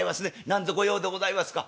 何ぞ御用でございますか？」。